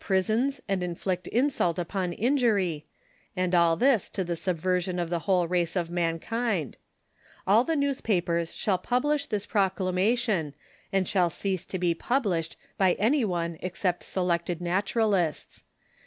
risoiis and inflict in srdt upon iiiiiiiv, and all this to the subversion of the whole 376 tup: social war of 1900; or, race of mankind. All the newspapers shall publish this proclamation, and shall cease to be published by any one except selected Naturalists.